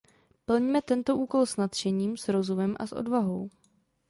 Plňme tento úkol s nadšením, s rozumem a s odvahou.